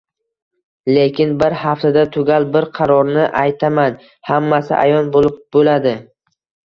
Lekin bir haftada tugal bir qarorni aytaman, hammasi ayon boʻlib boʻladi.